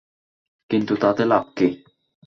কিন্তু তাতে লাভ কী?